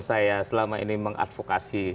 saya selama ini mengadvokasi